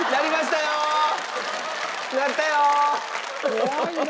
怖いな。